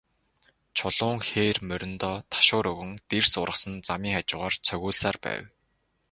Чулуун хээр мориндоо ташуур өгөн, дэрс ургасан замын хажуугаар цогиулсаар байв.